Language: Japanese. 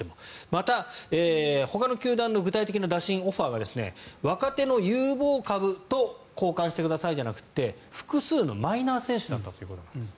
また、ほかの球団の具体的な打診オファーが若手の有望株と交換してくださいじゃなくて複数のマイナー選手だったということなんです。